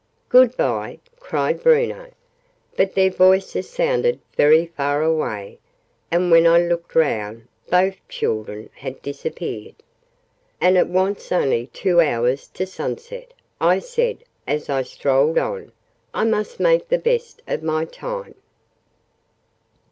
"Good bye!" cried Bruno. But their voices sounded very far away, and, when I looked round, both children had disappeared. "And it wants only two hours to sunset!" I said as I strolled on. "I must make the best of my time!"